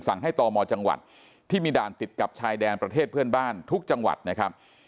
ให้ตมจังหวัดที่มีด่านติดกับชายแดนประเทศเพื่อนบ้านทุกจังหวัดนะครับ